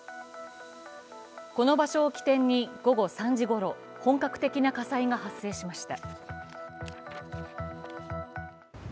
この場所を起点に午後３時ごろ、本格的な火災が発生しました。